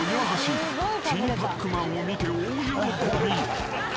［ティーパックマンを見て大喜び］